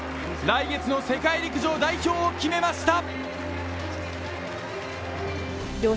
来月の世界陸上代表を決めました！